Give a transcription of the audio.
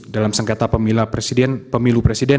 dalam sengketa pemilu presiden